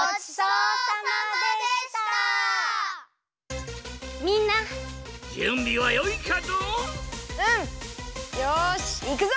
うん！よしいくぞ！